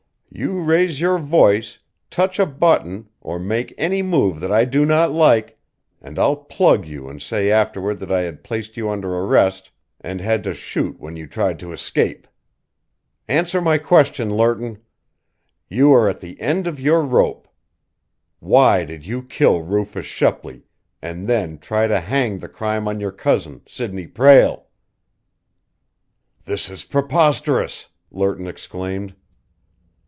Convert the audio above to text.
"You raise your voice, touch a button or make any move that I do not like, and I'll plug you and say afterward that I had placed you under arrest and had to shoot when you tried to escape. Answer my question, Lerton! You are at the end of your rope! Why did you kill Rufus Shepley and then try to hang the crime on your cousin, Sidney Prale?" "This is preposterous!" Lerton exclaimed.